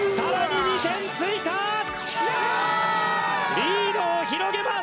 リードを広げます！